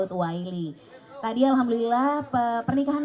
udah hampir empat tahun